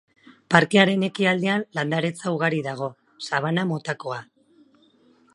Parkearen ekialdean landaretza ugari dago, sabana-motakoa.